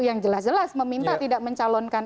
yang jelas jelas meminta tidak mencalonkan